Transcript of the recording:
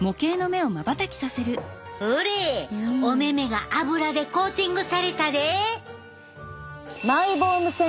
ほれお目々がアブラでコーティングされたで！